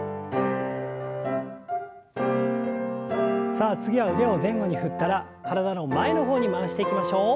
さあ次は腕を前後に振ったら体の前の方に回していきましょう。